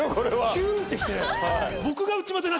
キュンって来て。